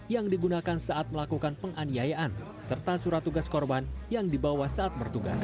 yang digunakan saat melakukan penganiayaan serta surat tugas korban yang dibawa saat bertugas